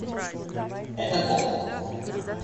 Это коб.